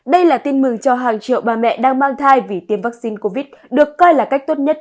đây là tin mừng cho hàng triệu bà mẹ đang mang thai vì tiêm vaccine covid được coi là cách tốt nhất